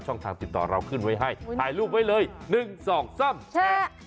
ทางติดต่อเราขึ้นไว้ให้ถ่ายรูปไว้เลย๑๒๓แชร์